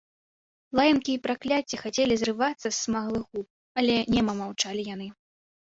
Лаянкі і пракляцці хацелі зрывацца са смаглых губ, але нема маўчалі яны.